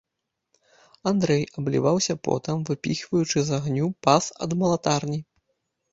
Андрэй абліваўся потам, выпіхаючы з агню пас ад малатарні.